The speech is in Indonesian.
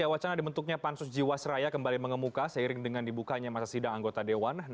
ada perbedaan pandangan masih di dpr